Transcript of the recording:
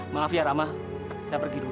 maaf ya ramah saya pergi dulu